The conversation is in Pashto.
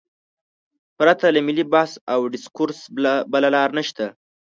پرته له ملي بحث او ډیسکورس بله لار نشته.